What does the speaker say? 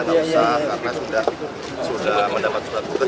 tidak usah karena sudah mendapat surat tugas